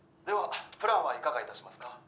ではプランはいかがいたしますか？